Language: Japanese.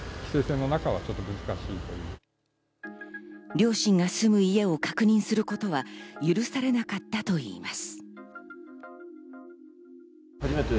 両親が住む家を確認することは許されなかったといいます。